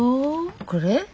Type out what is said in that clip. これ？